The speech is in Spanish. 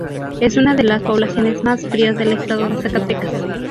Es una de las poblaciones más frías del estado de Zacatecas.